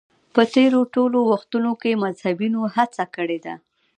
په تېرو ټولو وختونو کې مذهبيونو هڅه کړې ده.